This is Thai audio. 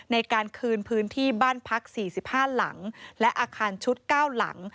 ในการคืนพื้นที่บ้านพัก๔๕หลังและอาคารชุด๙หลัง